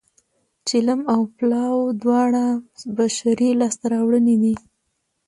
چلم او پلاو دواړه بشري لاسته راوړنې دي